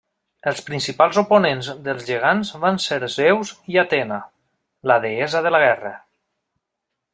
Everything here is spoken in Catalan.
Els principals oponents dels gegants van ser Zeus i Atena, la deessa de la guerra.